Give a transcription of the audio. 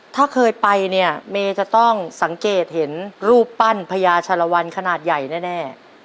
ถ้าเคยไปเนี่ยเมย์จะต้องสังเกตเห็นรูปปั้นพญาชะละวันขนาดใหญ่แน่